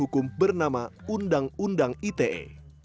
pembuatan pembayang hukum bernama undang undang ite